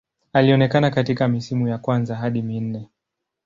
Alionekana katika misimu ya kwanza hadi minne.